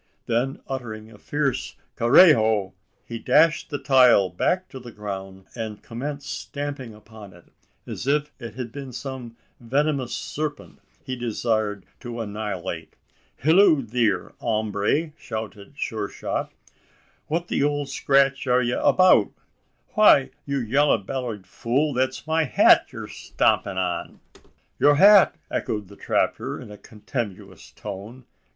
Then uttering a fierce "Carajo," he dashed the "tile" back to the ground, and commenced stamping upon it, as if it had been some venomous serpent he desired to annihilate! "Hilloo! theer, hombre!" shouted Sure shot. "What the ole scratch air ye abeout? Why, ye yeller bellied fool, thet's my hat yeer stompin' on!" "Your hat!" echoed the trapper in a contemptuous tone.